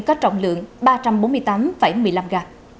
đó là đối tượng ba trăm bốn mươi tám một mươi năm g